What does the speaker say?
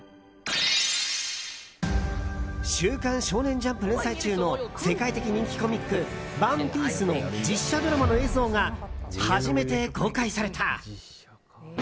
「週刊少年ジャンプ」連載中の世界的人気コミック「ＯＮＥＰＩＥＣＥ」の実写ドラマの映像が初めて公開された。